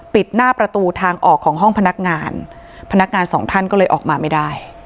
ปิดหน้าประตูทางออกของห้องพนักงานพนักงานสองท่านก็เลยออกมาไม่ได้